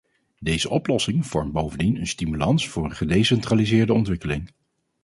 Deze oplossing vormt bovendien een stimulans voor een gedecentraliseerde ontwikkeling.